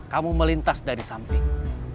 kamu melintas dari samping